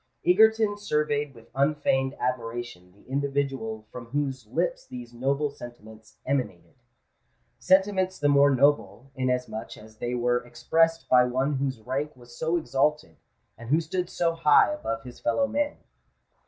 Egerton surveyed with unfeigned admiration the individual from whose lips these noble sentiments emanated—sentiments the more noble, inasmuch as they were expressed by one whose rank was so exalted, and who stood so high above his fellow men.